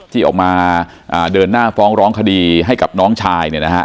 ที่ออกมาเดินหน้าฟ้องร้องคดีให้กับน้องชายเนี่ยนะฮะ